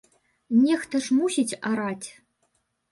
Нехта ж мусіць араць.